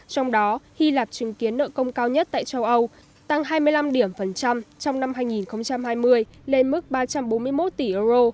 trong đó hy lạp chứng kiến nợ công cao nhất tại châu âu tăng hai mươi năm trong năm hai nghìn hai mươi lên mức ba trăm bốn mươi một tỷ euro